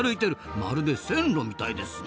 まるで線路みたいですな。